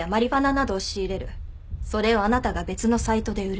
それをあなたが別のサイトで売る。